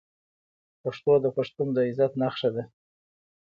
پښتو د پښتون د عزت نښه ده.